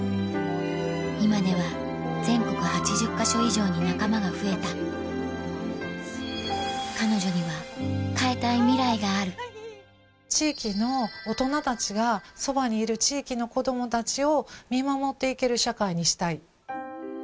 今では全国８０か所以上に仲間が増えた彼女には変えたいミライがある地域の大人たちがそばにいる地域の子どもたちを見守っていける社会にしたい。